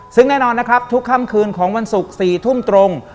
ซึ่งแน่นอนนะครับทุกค่ำคืนของวันศุกร์๔ทุ่มตรง